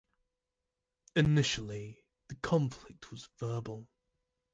Initially the conflict was verbal.